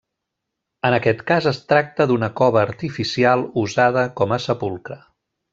En aquest cas es tracta d'una cova artificial usada com a sepulcre.